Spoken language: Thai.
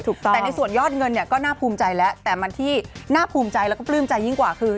แต่ในส่วนยอดเงินเนี่ยก็น่าภูมิใจแล้วแต่มันที่น่าภูมิใจแล้วก็ปลื้มใจยิ่งกว่าคือ